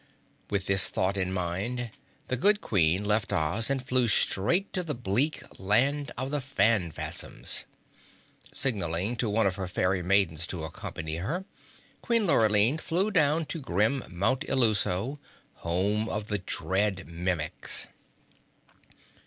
With this thought in mind, the good Queen left Oz and flew straight to the bleak land of the Phanfasms. Signalling to one of her Fairy Maidens to accompany her, Queen Lurline flew down to grim Mount Illuso, home of the dread Mimics.